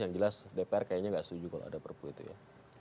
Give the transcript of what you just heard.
yang jelas dpr kayaknya nggak setuju kalau ada perpu itu ya